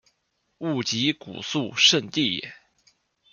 勿吉古肃慎地也。